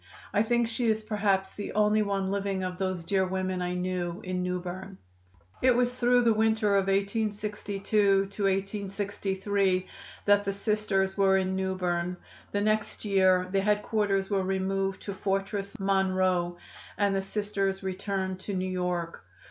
I think she is perhaps the only one living of those dear women I knew in New Berne. "It was through the winter of 1862 63 that the Sisters were in New Berne. The next year the headquarters were removed to Fortress Monroe and the Sisters returned to New York.